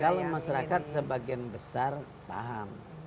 kalau masyarakat sebagian besar paham